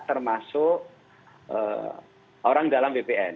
termasuk orang dalam bpn